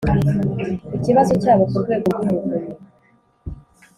ikibazo cyabo ku Rwego rw Umuvunyi